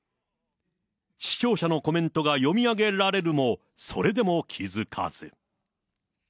視聴者のコメントが読み上げられるも、それでも気付かず。